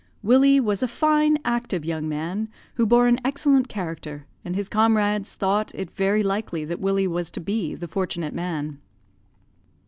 "Willie was a fine active young man, who bore an excellent character, and his comrades thought it very likely that Willie was to be the fortunate man.